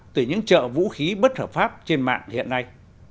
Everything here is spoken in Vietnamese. từ những trợ vũ khí bất hợp pháp trên mạng hiện nay